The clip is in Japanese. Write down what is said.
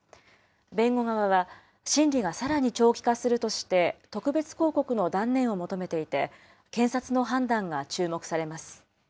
弁護側は、審理がさらに長期化するとして、特別抗告の断念を求めていて、検察の判断が注目されます。